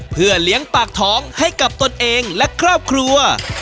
เพื่อเลี้ยงปากท้องให้กับตนเองและครอบครัว